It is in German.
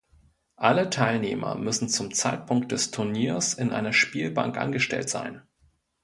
Alle Teilnehmer müssen zum Zeitpunkt des Turniers in einer Spielbank angestellt sein.